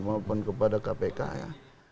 maupun kepada kpk ya